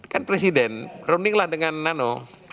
kan presiden running lah dengan nano